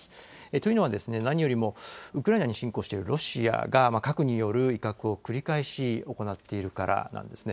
というのは、何よりも、ウクライナに侵攻しているロシアが核による威嚇を繰り返し行っているからなんですね。